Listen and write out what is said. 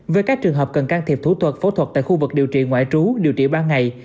với các trường hợp cần can thiệp thủ thuật phẫu thuật tại khu vực điều trị ngoại trú điều trị ba ngày